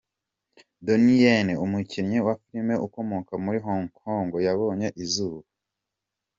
Donnie Yen, umukinnyi wa film ukomoka muri Hong Kong yabonye izuba.